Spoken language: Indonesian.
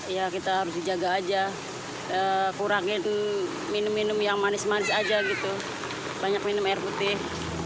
ya kita harus dijaga aja kurangin minum minum yang manis manis aja gitu banyak minum air putih